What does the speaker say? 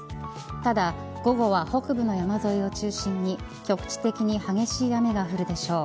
ただ午後は北部の山沿いを中心に局地的に激しい雨が降るでしょう。